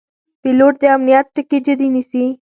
پیلوټ د امنیت ټکي جدي نیسي.